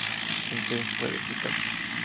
Entre ellos puede citarse.